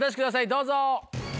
どうぞ！